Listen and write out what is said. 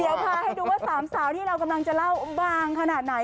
เดี๋ยวพาให้ดูว่าสามสาวที่เรากำลังจะเล่าบางขนาดไหน